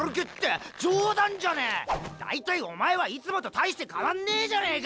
大体おまえはいつもと大して変わんねえじゃねえか。